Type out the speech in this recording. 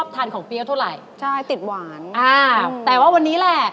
ถ้าเปรี้ยวอย่างอื่นได้อ่า